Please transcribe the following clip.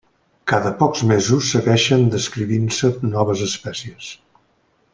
Cada pocs mesos segueixen descrivint-se noves espècies.